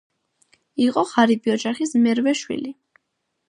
იყო ღარიბი ოჯახის მერვე შვილი.